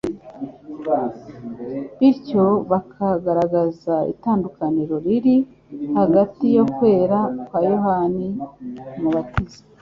bityo bakagaragaza itandukaniro riri hagati yo kwera kwa Yohana Umubatiza